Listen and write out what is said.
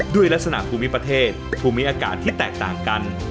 ด้วยลักษณะภูมิประเทศภูมิอากาศที่แตกต่างกัน